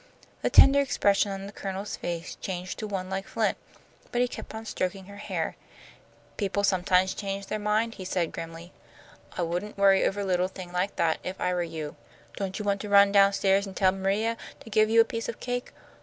The tender expression on the Colonel's face changed to one like flint, but he kept on stroking her hair. "People sometimes change their minds," he said, grimly. "I wouldn't worry over a little thing like that if I were you. Don't you want to run down stairs and tell M'ria to give you a piece of cake?"